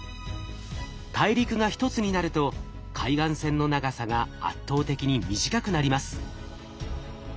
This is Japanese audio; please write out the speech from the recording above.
大陸が一つになると海岸線の長さが圧倒的に短くなります。